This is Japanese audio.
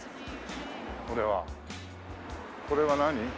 これはこれは何？